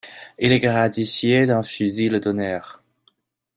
Il est gratifié d'un fusil d'honneur.